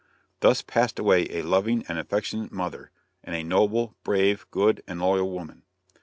Thus passed away a loving and affectionate mother and a noble, brave, good and loyal woman.